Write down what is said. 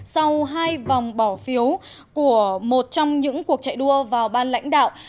sau hai vòng bỏ phiếu của một trong những cuộc chạy đua vào ban lãnh đạo